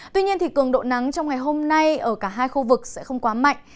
tuy nhiên cường độ nắng trong ngày hôm nay ở cả hai khu vực sẽ không quá mạnh